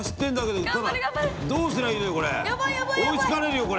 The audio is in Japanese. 追いつかれるよこれ。